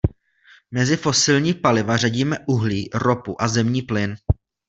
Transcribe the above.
Mezi fosilní paliva řadíme uhlí, ropu a zemní plyn.